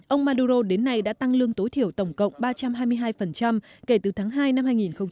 ông maduro đến nay đã tăng lương tối thiểu tổng cộng ba trăm hai mươi hai kể từ tháng hai năm hai nghìn một mươi chín